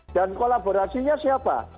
dan kolaborasinya siapa